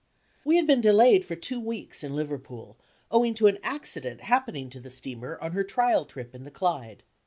We had been de layed for two weeks in Liverpool, owing to an accident happening to the steamer on her trial trip in the Clyde.